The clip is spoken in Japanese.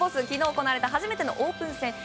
昨日行われた初めてのオープン戦